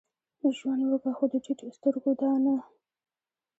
ژوند وکه؛ خو د ټيټو سترګو دا نه.